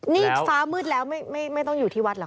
นี่ฟ้ามืดแล้วไม่ต้องอยู่ที่วัดเหรอค